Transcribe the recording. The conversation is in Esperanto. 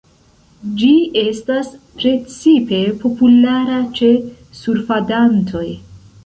Ĝi estas precipe populara ĉe surfadantoj.